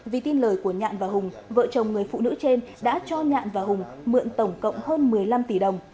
vì tin lời của nhạn và hùng vợ chồng người phụ nữ trên đã cho nhạn và hùng mượn tổng cộng hơn một mươi năm tỷ đồng